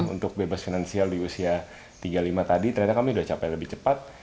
untuk bebas finansial di usia tiga puluh lima tadi ternyata kami sudah capai lebih cepat